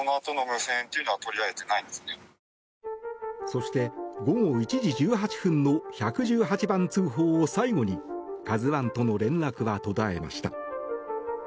そして、午後１時１８分の１１８番通報を最後に「ＫＡＺＵ１」との連絡は途絶えました。